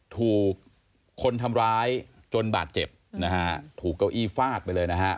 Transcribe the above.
ถูกคนทำร้ายจนบาดเจ็บนะฮะถูกเก้าอี้ฟาดไปเลยนะฮะ